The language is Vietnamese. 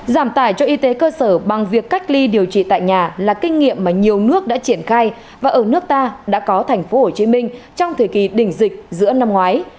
giảm tài cho y tế cơ sở bằng việc cách ly điều trị tại nhà là kinh nghiệm mà nhiều nước đã triển khai và ở nước ta đã có thành phố hồ chí minh trong thời kỳ đỉnh dịch giữa năm ngoái